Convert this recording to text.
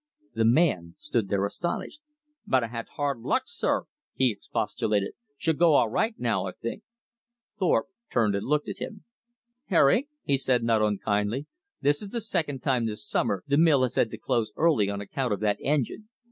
The man stood there astonished. "But I had hard luck, sir," he expostulated. "She'll go all right now, I think." Thorpe turned and looked at him. "Herrick," he said, not unkindly, "this is the second time this summer the mill has had to close early on account of that engine.